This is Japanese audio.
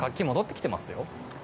戻ってきてますよ